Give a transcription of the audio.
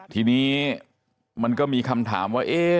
ทีนี้มันก็มีคำถามว่า